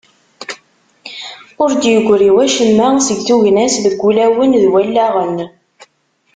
Ur d-yegri wacemma seg tugna-s deg wulawen d wallaɣen.